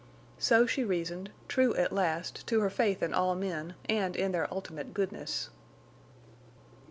So she reasoned, true at last to her faith in all men, and in their ultimate goodness.